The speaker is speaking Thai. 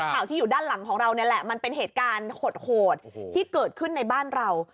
ข่าวที่อยู่ด้านหลังของเรานี่แหละมันเป็นเหตุการณ์โหดที่เกิดขึ้นในบ้านเรา